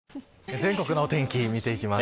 全国のお天気、見ていきます。